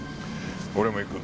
俺も行く。